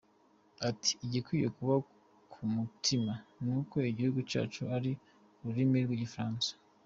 Ati “Igikwiye kuba ku mutima ni uko igihugu cyacu ari ururimi rw’Igifaransa.